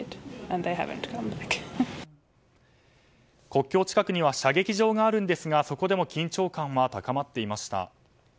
国境近くには射撃場があるんですがそこでも緊張感は高まっていました。